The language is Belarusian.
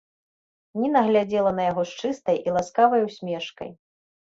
Ніна глядзела на яго з чыстай і ласкавай усмешкай.